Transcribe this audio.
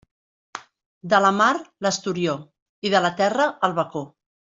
De la mar l'esturió; i de la terra, el bacó.